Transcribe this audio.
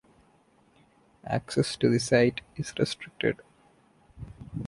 Access to this site is restricted.